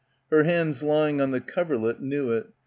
Her hands lying on the coverlet knew it.